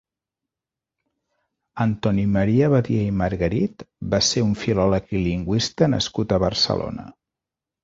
Antoni Maria Badia i Margarit va ser un filòleg i lingüista nascut a Barcelona.